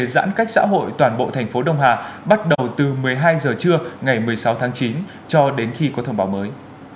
giãn cách xã hội toàn bộ thành phố đông hà bắt đầu từ một mươi hai h trưa ngày một mươi sáu tháng chín cho đến khi có thông báo mới